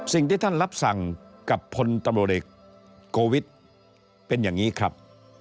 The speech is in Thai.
สิ่งที่ท่านรับสั่งกับพลตำรวจเอกโกวิทย์เป็นอย่างนี้ครับ